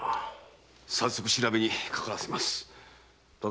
早速調べにかからせます。